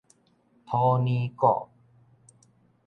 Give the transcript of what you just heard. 土耳古